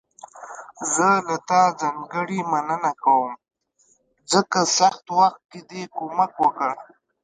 زه له تا ځانګړي مننه کوم، ځکه سخت وخت کې دې کومک وکړ.